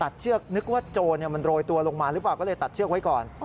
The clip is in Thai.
เชือกนึกว่าโจรมันโรยตัวลงมาหรือเปล่าก็เลยตัดเชือกไว้ก่อน